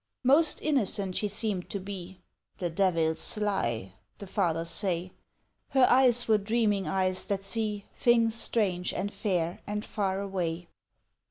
Most innocent she seemed to be ("The Devil's sly!" the fathers say) Her eyes were dreaming eyes that see Things strange and fair and far away.